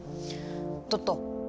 トット。